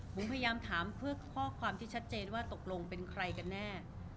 ผมพยายามถามเพื่อข้อความที่ชัดเจนว่าตกลงเป็นใครกันแน่